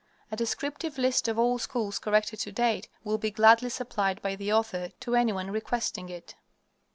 A descriptive list of all schools corrected to date will be gladly supplied by the author to any one requesting it.